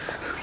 kau ya perih